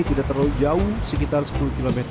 tidak terlalu jauh sekitar sepuluh km